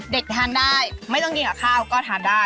ทานได้ไม่ต้องกินกับข้าวก็ทานได้